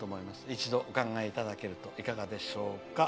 一度お考えいただけるといかがでしょうか？